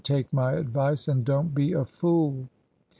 Take my advice, and don't be a fool."